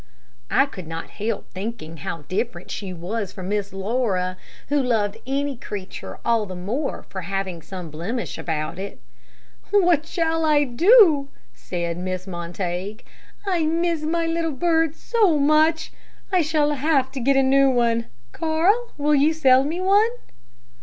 I could not help thinking how different she was from Miss Laura, who loved any creature all the more for having some blemish about it. "What shall I do?" said Mrs. Montague. "I miss my little bird so much. I shall have to get a new one. Carl, will you sell me one?"